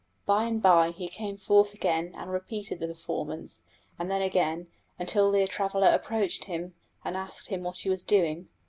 By and by he came forth again and repeated the performance, and then again, until the traveller approached and asked him what he was doing.